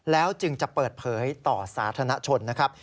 แล้วจึงจะเปิดเผยต่อสาธารณชนนะครับ